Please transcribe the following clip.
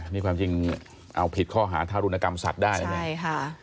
นี่ความจริงเอาผิดข้อหาทารุณกรรมสัตว์ได้นะเนี่ยใช่ค่ะ